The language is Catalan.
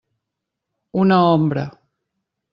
Una ombra.